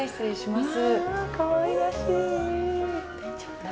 まあかわいらしい。